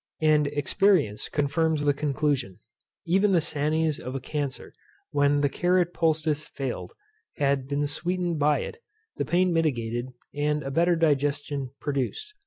And experience confirms the conclusion. Even the sanies of a CANCER, when the carrot poultice failed, has been sweetened by it, the pain mitigated, and a better digestion produced.